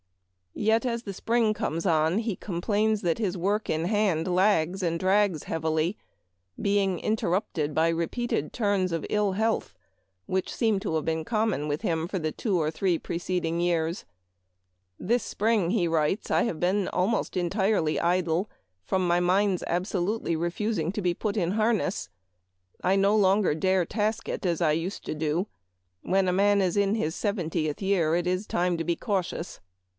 Yet as the spring comes on he complains that his work in hand lags and drags heavily, being interrupted by repeated turns of ill health, which seem to have been common with him for the two or three preceding years. " This spring," he writes, " I have been almost entirely idle, from my mind's absolutely refusing to be put in harness. I no longer dare task it as I used to do. When a man is in his seventieth year it is time to be cautious.